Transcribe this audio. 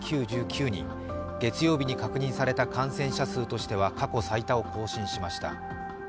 月曜日に確認された感染者数としては過去最多を更新しました。